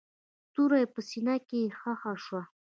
توره يې په سينه کښې ښخه شوه.